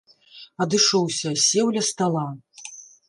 Адышоўся, сеў ля стала.